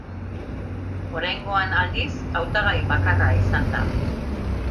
Oraingoan, aldiz, hautagai bakarra izan da.